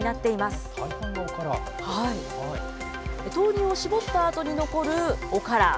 豆乳を絞ったあとに残るおから。